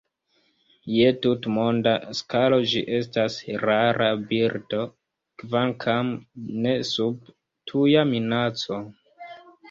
Je tutmonda skalo ĝi estas rara birdo, kvankam ne sub tuja minaco.